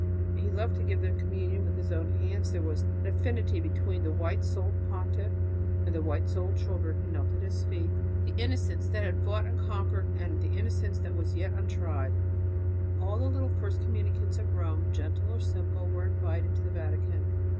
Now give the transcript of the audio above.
He loved to give them communion with his own hands; there was an affinity between the white souled pontiff and the white souled children who knelt at his feet the innocence that had fought and conquered and the innocence that was as yet untried. All the little first communicants of Rome, gentle or simple, were invited to the Vatican.